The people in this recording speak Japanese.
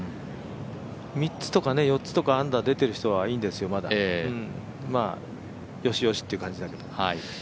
３つとか４つとかアンダーが出ている人はまだいいんですよ、よしよしという感じ。